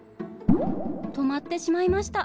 止まってしまいました。